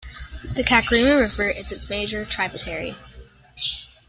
The Kakrima River is its major tributary.